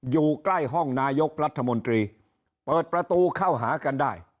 อยู่ใกล้ห้องนายกรัฐมนตรีเปิดประตูเข้าหากันได้